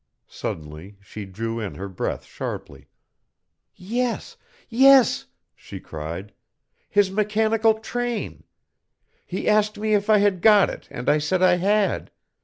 Suddenly she drew in her breath sharply. "Yes, yes," she cried, "his mechanical train. He asked me if I had got it and I said I had.